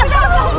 ya allah pak